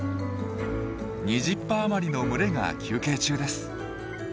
２０羽余りの群れが休憩中です。